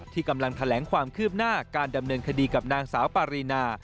กำลังแถลงความคืบหน้าการดำเนินคดีกับนางสาวปารีนา